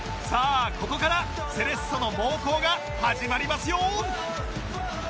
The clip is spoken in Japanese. さあここからセレッソの猛攻が始まりますよ！